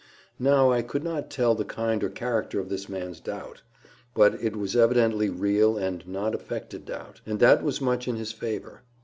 Now I could not tell the kind or character of this man's doubt; but it was evidently real and not affected doubt; and that was much in his favour.